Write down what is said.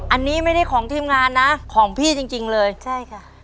อันนี้ไม่ได้ของทีมงานนะของพี่จริงจริงเลยใช่ค่ะ